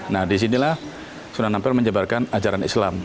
nah disinilah sunan ampel menyebarkan ajaran islam